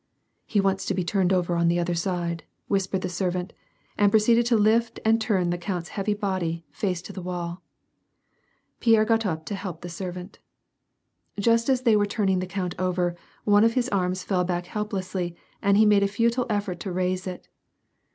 "He wants to be turned over on the other side," whispered the servant, and proceeded to lift and turn the count's heavy body, face to the wall, Pierre got up to help the servant. Just as they were turning the count over, one of his arms fell back helplessly, and he made a futile effort to raise it.